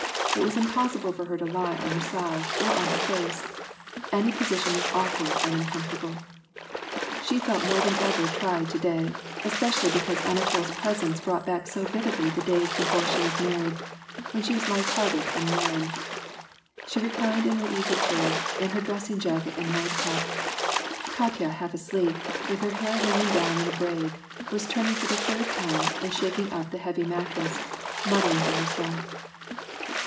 It was impossible for her to lie on her side, or on her face. Any position was awkward and uncomfortable. She felt more than ever tried to day, especially because Ana tol's presence brought back so vividly the days before she was married, when she was light hearted and merry. She reclined in her easy chair, in her dressing jacket and night cap. Katya, half asleep, and with her hair hanging down in a braid, was turning for the third time and shaking up the heavy mat tress, muttering to herself.